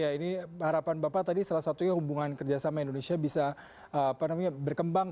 ya ini harapan bapak tadi salah satunya hubungan kerjasama indonesia bisa berkembang